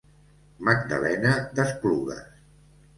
Magdalena d'Esplugues.